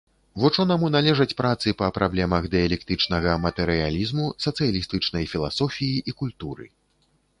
Вучонаму належаць працы па праблемах дыялектычнага матэрыялізму, сацыялістычнай філасофіі і культуры.